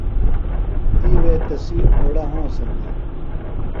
تی وے تسی اوڑہ ہونسن دےۡ۔